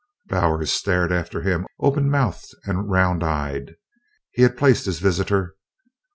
Bowers stared after him open mouthed and round eyed. He had placed his visitor.